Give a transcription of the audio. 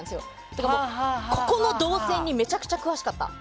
だから、ここの導線にめちゃくちゃ詳しかった。